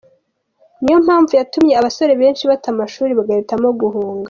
Ni yo mpavu yatumye abasore benshi bata amashuri bagahitamo guhunga.